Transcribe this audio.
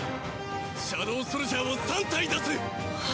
シャドウソルジャーを３体出す！